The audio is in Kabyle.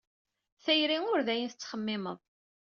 Tayri ur d ayen tettxemmimeḍ.